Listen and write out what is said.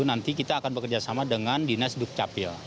nanti kita akan bekerjasama dengan dinas dukcapil